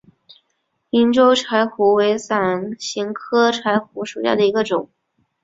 银州柴胡为伞形科柴胡属下的一个种。